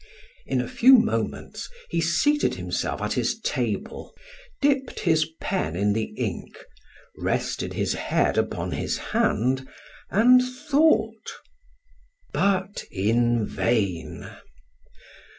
In a few moments he seated himself at his table, dipped his pen in the ink, rested his head upon his hand and thought but in vain!